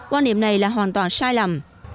quan điểm này là hoàn toàn sai lầm